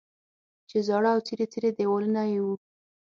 چې زاړه او څیري څیري دیوالونه یې وو.